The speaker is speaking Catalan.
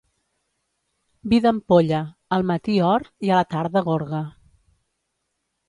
Vi d'ampolla, al matí or i a la tarda gorga.